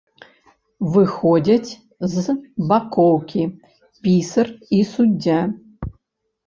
Выходзяць з бакоўкі пісар і суддзя.